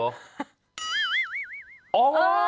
โอ้โห